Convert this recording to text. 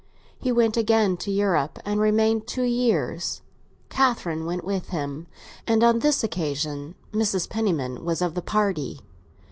He went again to Europe, and remained two years; Catherine went with him, and on this occasion Mrs. Penniman was of the party.